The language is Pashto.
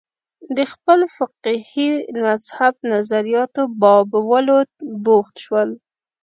د خپل فقهي مذهب نظریاتو بابولو بوخت شول